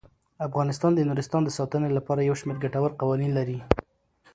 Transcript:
افغانستان د نورستان د ساتنې لپاره یو شمیر ګټور قوانین لري.